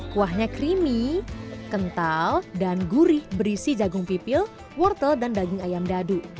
kuahnya creamy kental dan gurih berisi jagung pipil wortel dan daging ayam dadu